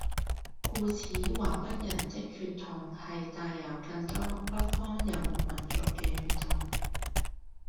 故此華北人嘅血統係帶有更多北方遊牧民族嘅血統